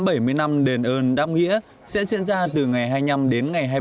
triển lãm bảy mươi năm đền ơn đáp nghĩa sẽ diễn ra từ ngày hai mươi năm đến ngày hai mươi bảy